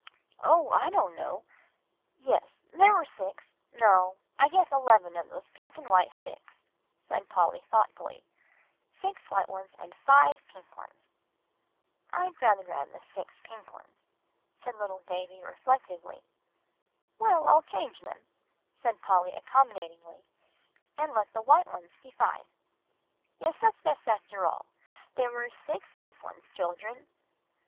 "Oh! I don't know yes, there were six no, I guess eleven of those pink and white sticks," said Polly thoughtfully; "six white ones and five pink ones." "I'd rather have had six pink ones," said little Davie reflectively. "Well, I'll change them," said Polly accommodatingly, "and let the white ones be five. Yes, that's best after all, there were six pink ones, children.